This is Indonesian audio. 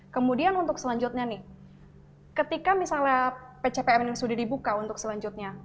kemudian untuk selanjutnya nih ketika misalnya pcpm ini sudah dibuka untuk selanjutnya